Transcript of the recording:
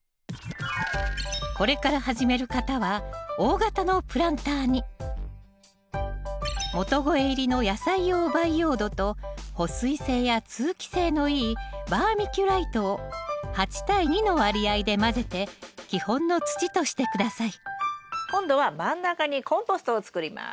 これから始める方は大型のプランターに元肥入りの野菜用培養土と保水性や通気性のいいバーミキュライトを８対２の割合で混ぜて基本の土として下さい今度は真ん中にコンポストを作ります。